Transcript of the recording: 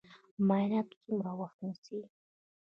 معاینات څومره وخت نیسي؟